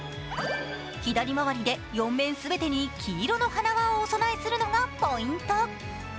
左回りで４面全てに黄色の花輪をお供えするのがポイント。